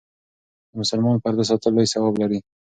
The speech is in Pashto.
د مسلمان پرده ساتل لوی ثواب لري.